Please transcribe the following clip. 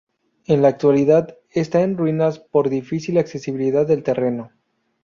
En la actualidad está en ruinas por difícil accesibilidad del terreno.